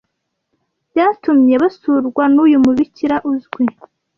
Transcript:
byatumye basurwa nuyu mubikira uzwi